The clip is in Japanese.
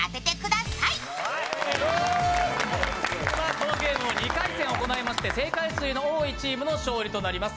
このゲームを２回戦行いまして正解数の多いチームの勝利となります。